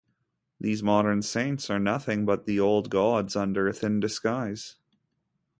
These modern saints are nothing but the old gods under a thin disguise.